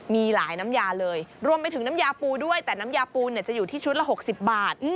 มีหลายน้ำยาเลยรวมไปถึงน้ำยาปูด้วยแต่น้ำยาปูจะอยู่ที่ชุดละ๖๐บาท